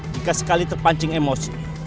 jika sekali terpancing emosi